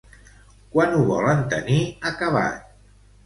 Quan ho volen tenir acabat?